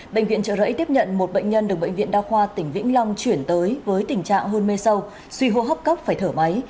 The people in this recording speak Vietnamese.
bệnh viện trợ rẫy tiếp nhận một bệnh nhân được bệnh viện đa khoa tỉnh vĩnh long chuyển tới với tình trạng hôn mê sâu suy hô hấp cấp phải thở máy